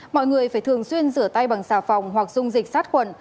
mọi người phải thường xuyên rửa tay bằng xà phòng hoặc dung dịch sát khuẩn